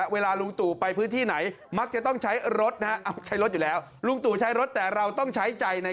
เวลาเขาอารมณ์ดีท่านอารมณ์ดี